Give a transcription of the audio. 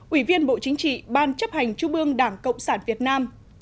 ủy viên bộ chính trị ban chấp hành chú bương đảng cộng sản việt nam